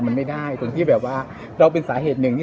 แม้ตอนนั้นที่เราเริ่มคุยกับเขาเขาก็ยังไม่ได้สิทธิ์กับเขา